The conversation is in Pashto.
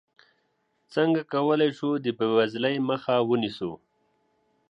څنګه کولی شو د بېوزلۍ مخه ونیسو؟